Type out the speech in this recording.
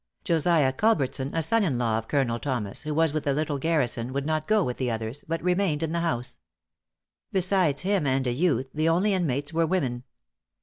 Josiah Culbertson, a son in law of Colonel Thomas, who was with the little garrison would not go with the others, but remained in the house. Besides him and a youth, the only inmates were women.